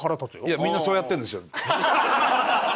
いやみんなそうやってるんですよ。